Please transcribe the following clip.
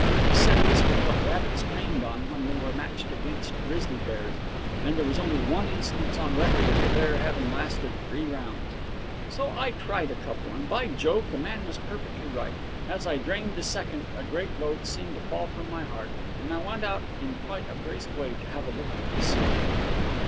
He said this was what rabbits trained on when they were matched against grizzly bears, and there was only one instance on record of the bear having lasted three rounds. So I tried a couple, and, by Jove! the man was perfectly right. As I drained the second a great load seemed to fall from my heart, and I went out in quite a braced way to have a look at the city.